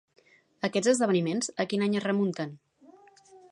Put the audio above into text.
Aquests esdeveniments a quin any es remunten?